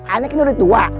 ane kan udah tua